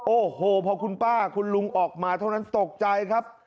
โอ้โหพอคุณป้าคุณลุงออกมาเท่านั้นตกใจครับ